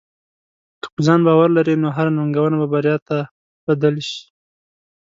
که په ځان باور لرې، نو هره ننګونه به بریا ته بدل شې.